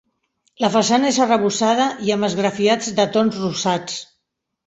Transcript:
La façana és arrebossada i amb esgrafiats de tons rosats.